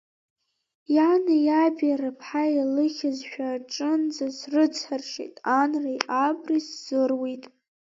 Иани иаби рыԥҳа илыхьызшәа аҿынӡа срыцҳаршьеит, анреи абреи сзыруит.